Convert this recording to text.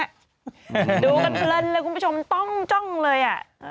ดูกันเพลินเลยคุณผู้ชมต้องจ้องเลย